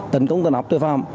tấn công tầng áp tội phạm